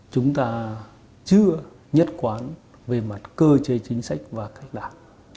chúng ta chưa nhất quán về mặt cơ chế chính sách và cách đảm